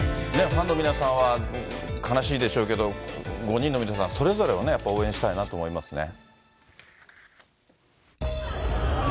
ファンの皆さんは悲しいでしょうけれども、５人の皆さん、それぞれをね、やっぱり応援したいなと思いますね。